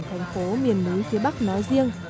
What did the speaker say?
thành phố miền núi phía bắc nói riêng